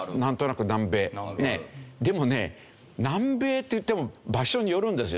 でもね南米っていっても場所によるんですよ。